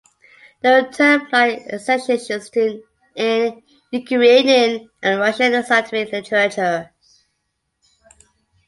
They were termed light-excitons in Ukrainian and Russian scientific literature.